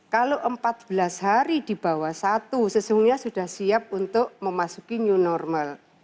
kalau empat belas hari di bawah satu sesungguhnya sudah siap untuk memasuki new normal